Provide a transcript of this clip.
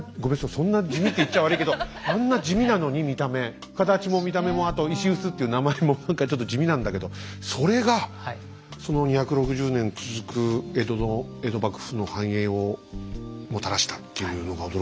そんな地味って言っちゃ悪いけどあんな地味なのに見た目形も見た目もあと石磨っていう名前も何かちょっと地味なんだけどそれがその２６０年続く江戸の江戸幕府の繁栄をもたらしたっていうのが驚きですね。